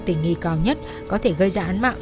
tình nghi cao nhất có thể gây ra án mạng